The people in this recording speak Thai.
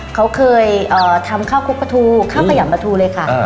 เขาเคยทำข้าวคลุกปลาทูข้าวขยำปลาทูเลยค่ะ